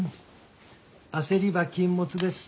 焦りは禁物です。